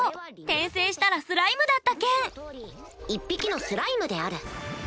「転生したらスライムだった件」一匹のスライムである。